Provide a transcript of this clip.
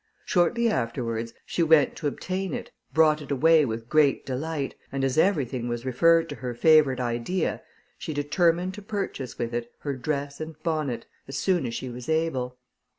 Shortly afterwards she went to obtain it, brought it away with great delight, and as everything was referred to her favourite idea, she determined to purchase with it her dress and bonnet, as soon as she was able.